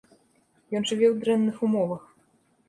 Ён жыве ў дрэнных умовах.